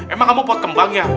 emang kamu pot kembang ya